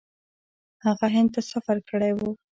هغه هند ته سفر کړی و.